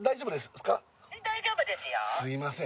今すいません